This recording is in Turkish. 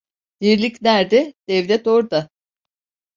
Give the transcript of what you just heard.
Dirlik nerde, devlet orda.